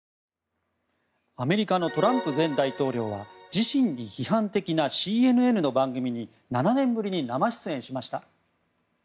アメリカのトランプ前大統領は自身に批判的なＣＮＮの番組に７年ぶりに生出演しました。